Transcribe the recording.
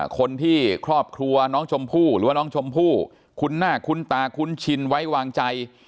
คนที่ครอบครัวน้องชมพู่หรือว่าน้องชมพู่คุ้นหน้าคุ้นตาคุ้นชินไว้วางใจ